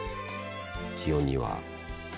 気温には。